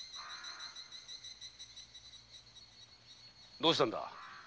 どうしたんだ？